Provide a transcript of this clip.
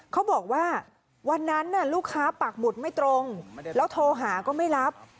เขาบอกว่าวันนั้นลูกค้าปากหมุดไม่ตรงแล้วโทรหาก็ไม่รับ